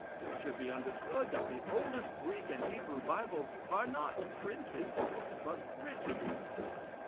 It should be understood, that the oldest Greek and Hebrew Bibles are not printed books, but written ones.